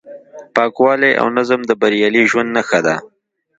پاکوالی او نظم د بریالي ژوند نښه ده.